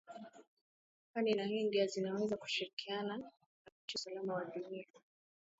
kani na india zinaweza kushirikiana kuhakikisha usalama wa dunia